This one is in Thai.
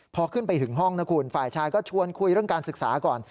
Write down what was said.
พอขึ้นไปถึงห้องนะคุณฝ่ายชายก็ชวนคุยเรื่องการศึกษาก่อน